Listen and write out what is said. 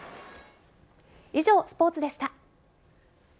以上、スポーツでした。